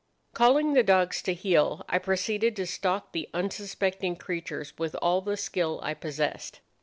"Calling the dogs to heel, I proceeded to stalk the unsuspecting creatures with all the skill I possessed.